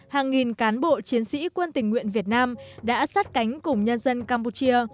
hàng nghìn cán bộ chiến sĩ quân tình nguyện việt nam đã sát cánh cùng nhân dân campuchia